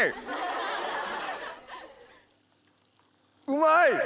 うまい！